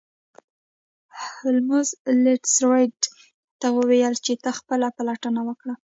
هولمز لیسټرډ ته وویل چې ته خپله پلټنه وکړه.